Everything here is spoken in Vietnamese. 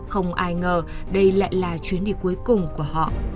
không ai ngờ đây lại là chuyến đi cuối cùng của họ